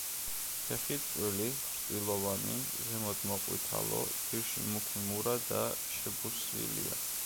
ფეხი წვრილი, ხრტილოვანი, ზემოთ მოყვითალო, ძირში მუქი მურა და შებუსვილია.